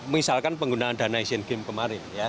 misalkan penggunaan dana asian games kemarin